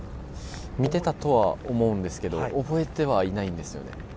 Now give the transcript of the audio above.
◆見てたとは思うんですけど、覚えてはいないんですよね。